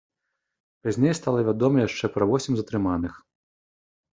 Пазней стала вядома яшчэ пра восем затрыманых.